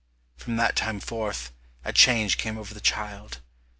From that time forth, a change came over the child.